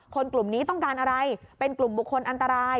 กลุ่มนี้ต้องการอะไรเป็นกลุ่มบุคคลอันตราย